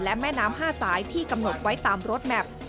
และแม่น้ำ๕สายที่กำหนดไว้ตามรถแมพ